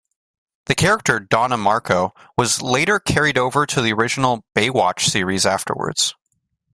The character Donna Marco was later carried over to the original "Baywatch" series afterwards.